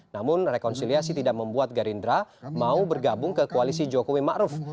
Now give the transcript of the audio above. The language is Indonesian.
namun rekonsiliasi tidak membuat gerindra mau bergabung ke koalisi jokowi ⁇ maruf ⁇